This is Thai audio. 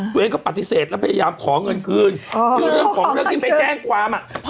ตัวเองก็ปฏิเสธแล้วพยายามขอเงินคืนคือเรื่องของเรื่องที่ไม่แจ้งความ